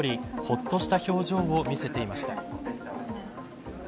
ほっとした表情を見せていました。